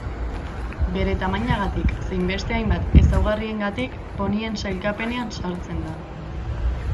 Bere tamainagatik zein beste hainbat ezaugarriengatik ponien sailkapenean sartzen da.